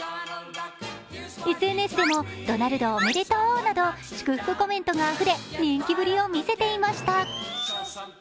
ＳＮＳでも「ドナルドおめでとう！」など祝福コメントがあふれ、人気ぶりを見せていました。